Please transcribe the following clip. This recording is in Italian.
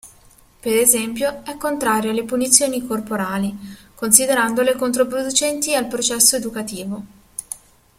Per esempio è contrario alle punizioni corporali, considerandole controproducenti al processo educativo.